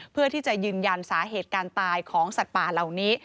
เพื่อที่จะยืนยันสาเหตุการตายของสัตว์ป่าเหล่านี้